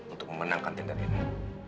untuk memenangkan tender ini